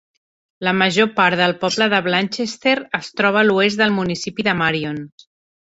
La major part del poble de Blanchester es troba a l'oest del municipi de Marion.